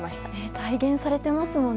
体現されていますよね。